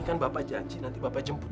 kan bapak janji nanti bapak jemput